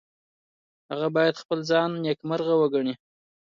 هغه باید خپل ځان نیکمرغه وګڼي.